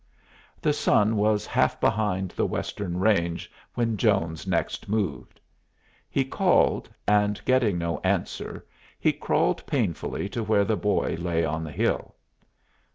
The sun was half behind the western range when Jones next moved. He called, and, getting no answer, he crawled painfully to where the boy lay on the hill.